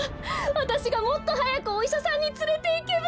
わたしがもっとはやくおいしゃさんにつれていけば。